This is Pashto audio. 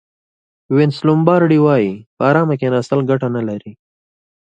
وینس لومبارډي وایي په ارامه کېناستل ګټه نه لري.